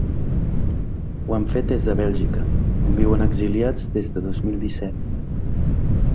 Ho han fet des de Bèlgica, on viuen exiliats des de dos mil disset.